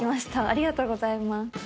ありがとうございます。